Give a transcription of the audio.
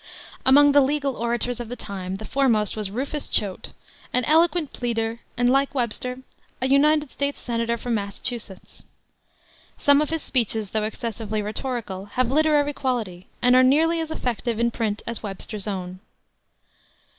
Among the legal orators of the time the foremost was Rufus Choate, an eloquent pleader, and, like Webster, a United States Senator from Massachusetts. Some of his speeches, though excessively rhetorical, have literary quality, and are nearly as effective in print as Webster's own.